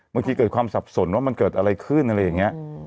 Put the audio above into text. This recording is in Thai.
เกิดความสับสนว่ามันเกิดอะไรขึ้นอะไรอย่างนี้